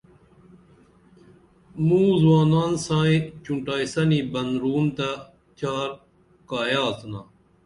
موں زُوانان سائں چُونٹائیسنی بن رون تہ چار کایہ آڅِنا